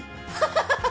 ハハハ！